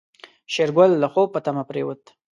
شېرګل د خوب په تمه پرېوت.